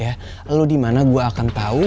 ya lu dimana gue akan tau